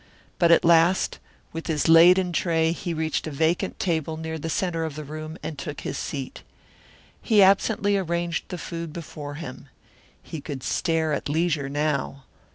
But at last, with his laden tray he reached a vacant table near the centre of the room and took his seat. He absently arranged the food before him. He could stare at leisure now.